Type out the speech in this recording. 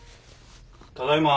ただいま。